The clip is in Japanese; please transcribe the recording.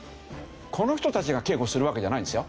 この人たちが警護するわけじゃないんですよ。